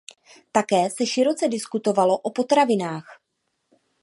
Také se široce diskutovalo o potravinách.